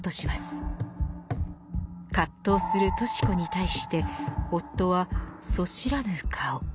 葛藤するとし子に対して夫はそしらぬ顔。